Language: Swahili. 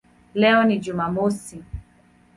Leo ni Jumamosi".